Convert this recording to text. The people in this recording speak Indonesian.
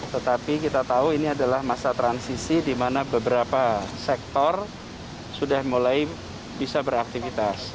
tetapi kita tahu ini adalah masa transisi di mana beberapa sektor sudah mulai bisa beraktivitas